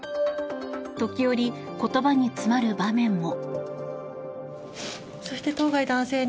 時折、言葉に詰まる場面も。